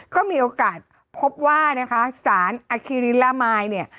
ก็มีโอกาสพบว่านะคะสารอคิริละมายเนี่ย